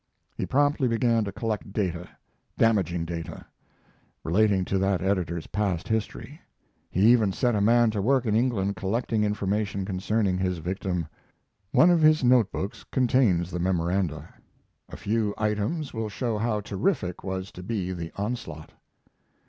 He promptly began to collect data damaging data relating to that editor's past history. He even set a man to work in England collecting information concerning his victim. One of his notebooks contains the memoranda; a few items will show how terrific was to be the onslaught.